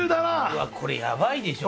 うわっこれヤバいでしょ